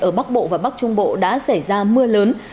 ở bắc bộ và bắc trung bộ đã xảy ra mưa lớn